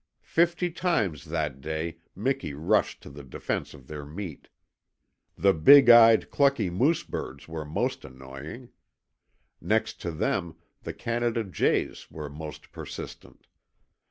Fifty times that day Miki rushed to the defense of their meat. The big eyed, clucking moose birds were most annoying. Next to them the Canada jays were most persistent.